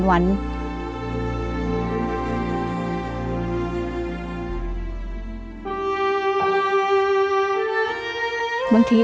บางที